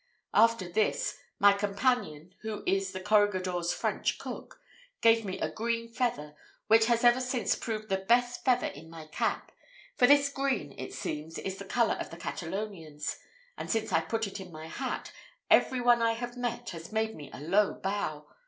"After this, my companion, who is the corregidor's French cook, gave me a green feather, which has ever since proved the best feather in my cap; for this green, it seems, is the colour of the Catalonians, and since I put it in my hat, every one I have met has made me a low bow.